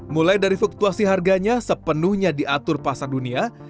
mulai dari fluktuasi harganya sepenuhnya diatur pasar dunia